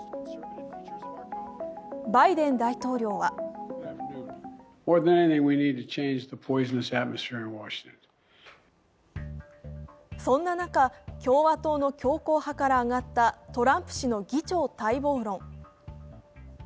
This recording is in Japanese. バイデン大統領はそんな中、共和党の強硬派から上がったトランプ氏の議長待望論。